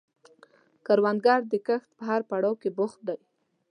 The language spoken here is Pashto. کروندګر د کښت په هر پړاو کې بوخت دی